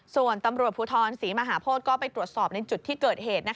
ส่วนตำรวจภูทรศรีมหาโพธิก็ไปตรวจสอบในจุดที่เกิดเหตุ